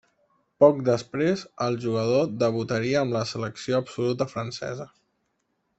Poc després el jugador debutaria amb la selecció absoluta francesa.